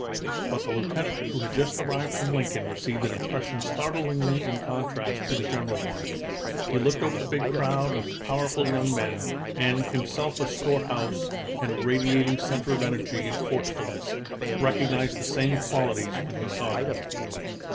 "But the Lieutenant who had just arrived from Lincoln received an impression startlingly in contrast to the general one. He looked over the big crowd of powerful young men, and, himself a storehouse and radiating center of energy and forcefulness, recognized the same qualities when he saw them.